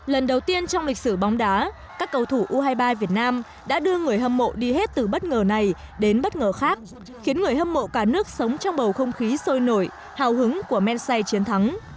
lần đầu tiên trong lịch sử bóng đá các cầu thủ u hai mươi ba việt nam đã đưa người hâm mộ đi hết từ bất ngờ này đến bất ngờ khác khiến người hâm mộ cả nước sống trong bầu không khí sôi nổi hào hứng của men say chiến thắng